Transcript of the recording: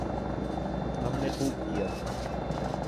ہم نے خوب کیا۔